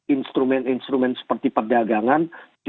instrumen instrumen seperti perdagangan